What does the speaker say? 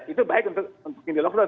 itu baik untuk mini lockdown